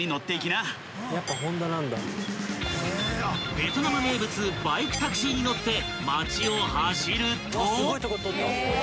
［ベトナム名物バイクタクシーに乗って街を走ると］